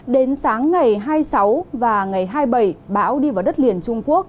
đến sáng ngày hai mươi sáu và ngày hai mươi bảy bão đi vào đất liền trung quốc